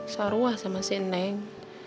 saruah sama si neng